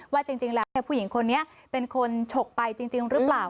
ว่าจริงแล้วผู้หญิงคนนี้เป็นคนฉกไปจริงหรือเปล่า